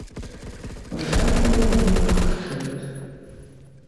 Пашарпала мне іх ушчэнт.